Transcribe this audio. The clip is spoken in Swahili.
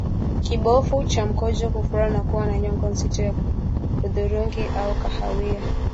Kibofu cha mkojo kufura na kuwa na nyongo nzito ya hudhurungi au kahawia